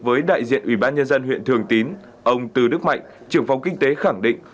với đại diện ubnd huyện thường tín ông từ đức mạnh trưởng phóng kinh tế khẳng định